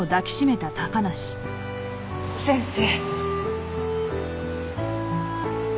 先生。